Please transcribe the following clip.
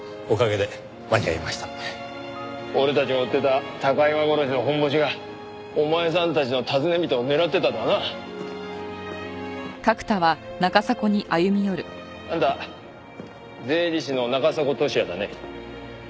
俺たちが追ってた高岩殺しのホンボシがお前さんたちの尋ね人を狙ってたとはな。あんた税理士の中迫俊也だね。